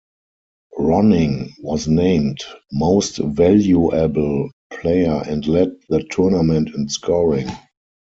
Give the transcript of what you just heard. Ronning was named Most Valuable player and led the tournament in scoring.